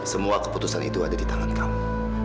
semua keputusan itu ada di tangan kamu